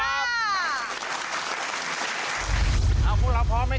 พรุ่งนี้๕สิงหาคมจะเป็นของใคร